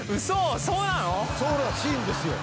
そうらしいんですよ。